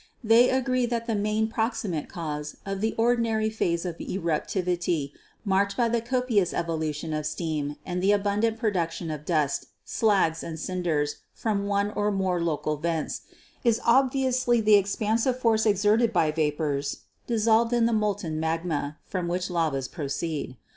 They agree that the main proximate cause of the ordinary phase of eruptivity marked by the copious evolution of steam and the abun dant production of dust, slags and cinders from one or more local vents, is obviously the expansive force exerted by vapors dissolved in the molten magma from which lavas proceed.